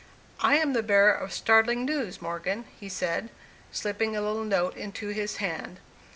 "I am the bearer of startling news, Morgan," he said, slipping a little note into his hand.